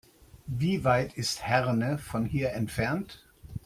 Wie weit ist Herne von hier entfernt?